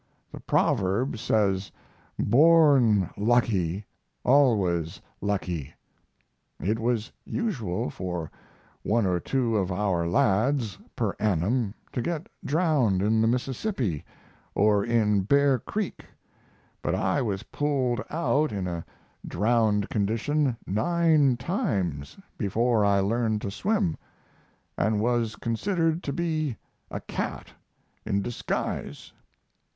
The proverb says, "Born lucky, always lucky." It was usual for one or two of our lads (per annum) to get drowned in the Mississippi or in Bear Creek, but I was pulled out in a drowned condition 9 times before I learned to swim, and was considered to be a cat in disguise.